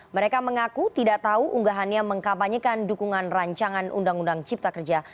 mereka mengaku tidak tahu unggahannya mengkampanyekan dukungan rancangan undang undang cipta kerja